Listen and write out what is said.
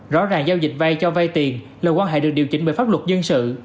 rõ ràng giao dịch vay cho vay tiền là quan hệ được điều chỉnh bởi pháp luật dân sự